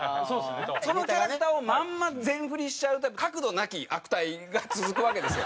そのキャラクターをまんま全振りしちゃうと角度なき悪態が続くわけですよ。